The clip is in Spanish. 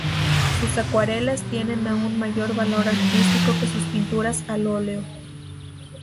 Sus acuarelas tienen aún mayor valor artístico que sus pinturas al óleo.